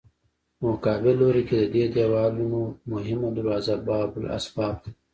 په مقابل لوري کې د دې دیوالونو مهمه دروازه باب الاسباب ده.